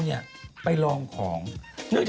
พี่ปุ้ยลูกโตแล้ว